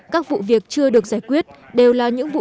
các vụ việc chưa được giải quyết đều là những vụ việc pháp luật